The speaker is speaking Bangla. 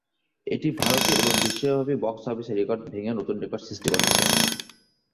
এটি ভারতে এবং বিশ্বব্যাপী বক্স অফিসে রেকর্ড ভেঙে নতুন রেকর্ড সৃষ্টি করেছে।